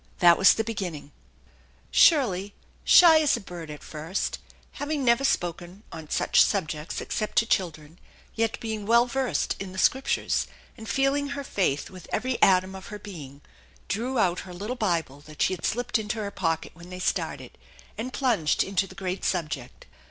That was the beginning. Shirley, shy as a bird at first, having never spoken on such subjects except to children, yet being well versed in the Scriptures, and feeling her faith with every atom of her being, drew out her little Bible that she had slipped vuta 220 THE ENCHANTED BARN her pocket when they started, and plunged into the great subject.